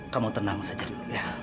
kamu tenang saja dulu ya